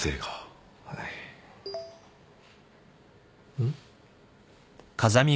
うん？